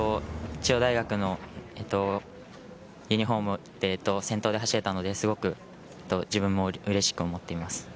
中央大学のユニホームを持って先頭で走れたのですごく自分もうれしく思っています。